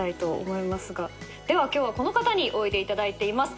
では今日はこの方においでいただいています。